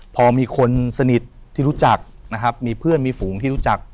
พอมีคนสนิทที่รู้จักนะครับมีเพื่อนมีฝูงที่รู้จัก